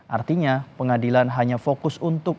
artinya pengadilan hanya fokus untuk